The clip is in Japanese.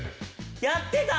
やってた！